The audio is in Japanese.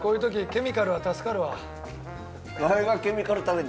ケミカルだから助かる。